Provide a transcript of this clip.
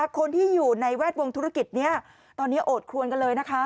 คนที่อยู่ในแวดวงธุรกิจตอนนี้โอดควนเลย